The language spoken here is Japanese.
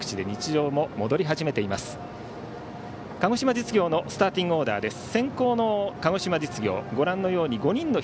先攻の鹿児島実業のスターティングオーダーです。